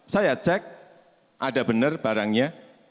saya cek ada benar barangnya